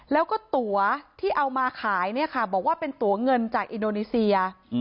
แล้วก็ตัวที่เอามาขายเนี่ยค่ะบอกว่าเป็นตัวเงินจากอินโดนีเซีย